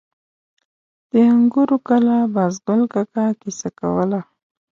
د انګورو کلا بازګل کاکا کیسه کوله.